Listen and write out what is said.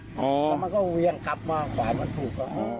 แล้วมันก็เวียงกลับมาขวามันถูก